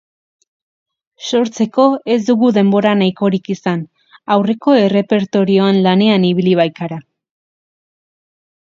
Sortzeko, ez dugu denbora nahikorik izan, aurreko errepertorioan lanean ibili baikara.